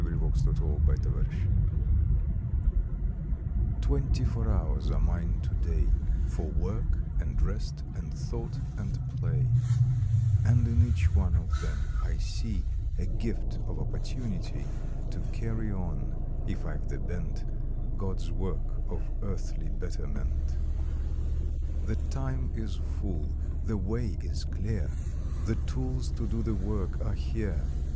March Twenty fourth A CALL THWENTY FOUR hours are mine to day For work, and rest, and thought, and play, And in each one of them I see A gift of Opportunity To carry on, if I ve the bent, God s work of earthly betterment. The time is full, the way is clear, The tools to do the work are here.